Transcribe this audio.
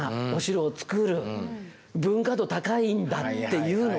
文化度高いんだっていうのを。